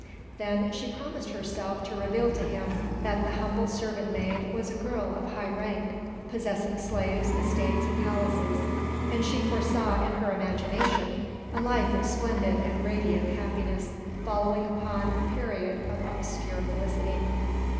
Then she promised herself to reveal to him that the humble servant maid was a girl of high rank, possessing slaves, estates, and palaces, and she foresaw, in her imagination, a life of splendid and radiant happiness following upon a period of obscure felicity.